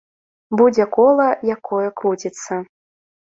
Будзе кола, якое круціцца.